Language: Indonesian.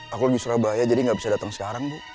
aku lagi surabaya jadi gak bisa datang sekarang bu